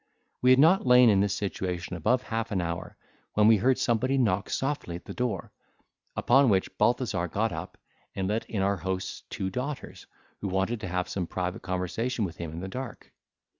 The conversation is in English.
We had not lain in this situation above half an hour, when we heard somebody knock softly at the door, upon which Balthazar got up, and let in our host's two daughters, who wanted to have some private conversation with him in the dark.